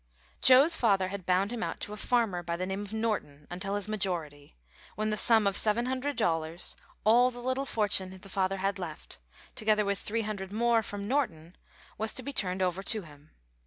Joe's father had bound him out to a farmer by the name of Norton until his majority, when the sum of seven hundred dollars, all the little fortune the father had left, together with three hundred more from Norton, was to be turned over to him.